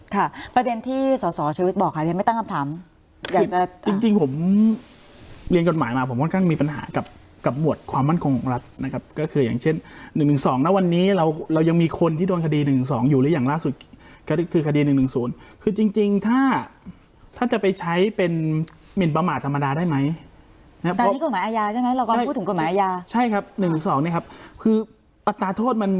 ค่ะประเด็นที่สอสอชีวิตบอกค่ะยังไม่ตั้งคำถามอยากจะจริงจริงผมเรียนกฎหมายมาผมค่อนข้างมีปัญหากับกับหมวดความมั่นคงของรัฐนะครับก็คืออย่างเช่นหนึ่งหนึ่งสองนะวันนี้เรายังมีคนที่โดนคดีหนึ่งหนึ่งสองอยู่หรืออย่างล่าสุดก็คือคดีหนึ่งหนึ่งศูนย์คือจริงจริงถ้าถ้าจะไปใช้เป็นเหม็นประมาทธ